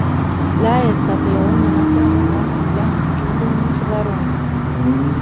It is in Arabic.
لا يستطيعون نصرهم وهم لهم جند محضرون